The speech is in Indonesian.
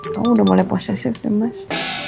kamu udah mulai posesif ya mas